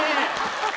ハハハ！